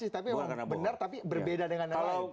tapi memang benar tapi berbeda dengan yang lain